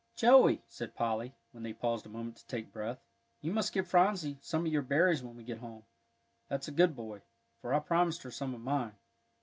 "Joey," said Polly, when they paused a moment to take breath, "you must give Phronsie some of your berries when we get home; that's a good boy, for I promised her some of mine.